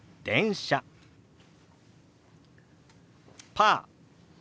「パー」。